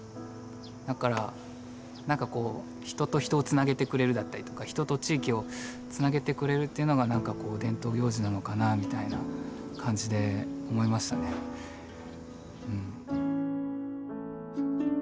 だからなんかこう人と人をつなげてくれるだったりとか人と地域をつなげてくれるっていうのがなんかこう伝統行事なのかなみたいな感じで思いましたねうん。